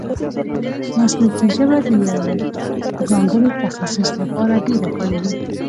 مسلکي ژبه د یوه ځانګړي تخصص له پاره ډېره کاریږي.